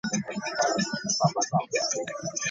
The couple remained married until Ranganathan's death.